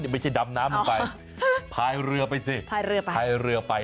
ไม่ใช่ดำน้ำลงไปพายเรือไปสิพายเรือไปพายเรือไป